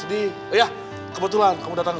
sampai ketemu lagi